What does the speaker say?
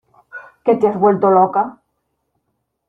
¿Que te has vuelto loca?